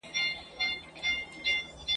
په تېر وصال پسي هجران وو ما یې فال کتلی !.